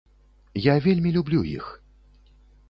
Я вельмі люблю іх!